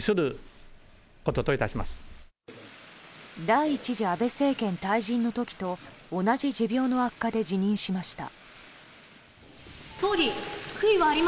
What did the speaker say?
第１次安倍政権退陣の時と同じ持病の悪化で辞任しました。